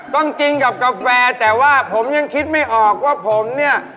ต้องกินกับกาแฟแต่ว่าผมยังคิดไม่ออกว่าผมเนี่ย